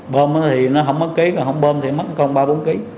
bơm thì nó không mất ký còn không bơm thì mất còn ba bốn ký